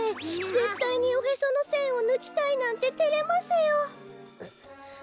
ぜったいにおへそのせんをぬきたいなんててれますよ。